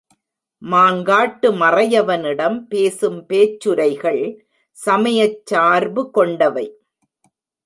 மாங்காட்டு மறையவனிடம் பேசும் பேச்சுரைகள் சமயச் சார்பு கொண்டவை.